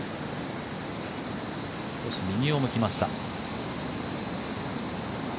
少し右を向きました。